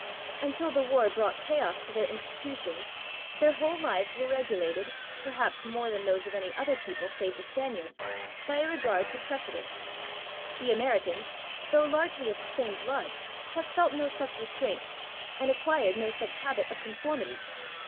Until the war brought chaos to their institutions, their whole lives were regulated, perhaps more than those of any other people save the Spaniards, by a regard for precedent. The Americans, though largely of the same blood, have felt no such restraint, and acquired no such habit of conformity.